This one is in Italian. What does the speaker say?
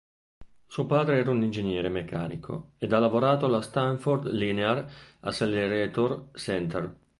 Suo padre era un ingegnere meccanico ed ha lavorato allo Stanford Linear Accelerator Center.